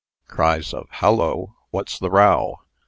Cries of "Hallo!" "What's the row?"